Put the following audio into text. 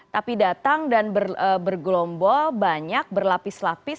tapi datang dan bergelombol banyak berlapis lapis